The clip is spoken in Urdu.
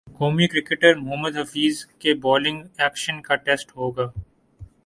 قومی کرکٹر محمد حفیظ کے بالنگ ایکشن کا ٹیسٹ ہو گا